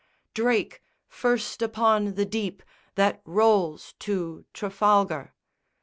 Drake! first upon the deep that rolls to Trafalgar!